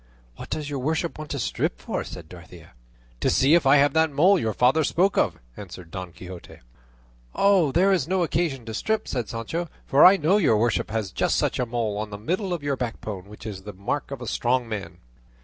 "What does your worship want to strip for?" said Dorothea. "To see if I have that mole your father spoke of," answered Don Quixote. "There is no occasion to strip," said Sancho; "for I know your worship has just such a mole on the middle of your backbone, which is the mark of a strong man."